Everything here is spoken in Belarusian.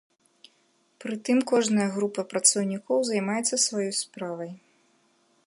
Прытым кожная група працаўнікоў займаецца сваёй справай.